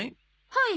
はい。